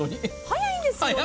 早いんですよね。